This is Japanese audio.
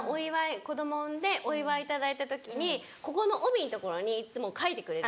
子供産んでお祝い頂いた時にここの帯の所にいつも書いてくれる。